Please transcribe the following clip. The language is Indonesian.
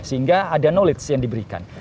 sehingga ada knowledge yang diberikan